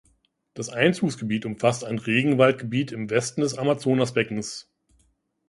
Das Einzugsgebiet umfasst ein Regenwaldgebiet im Westen des Amazonasbeckens.